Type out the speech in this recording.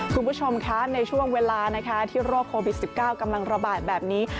คุณผู้ชมคะในช่วงเวลานะคะที่โรคโควิด๑๙กำลังระบาดแบบนี้